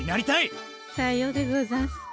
さようでござんすか。